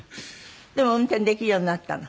でも運転できるようになったの？